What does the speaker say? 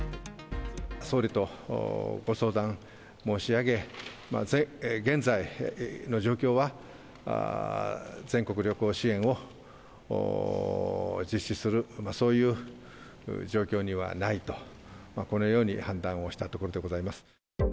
総理とご相談申し上げ、現在の状況は、全国旅行支援を実施する、そういう状況にはないと、このように判断をしたところでございます。